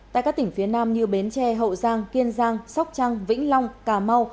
tại các tỉnh phía nam như bến tre hậu giang kiên giang sóc trăng vĩnh long cà mau